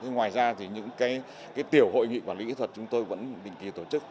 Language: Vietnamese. ngoài ra thì những tiểu hội nghị quản lý kỹ thuật chúng tôi vẫn định kỳ tổ chức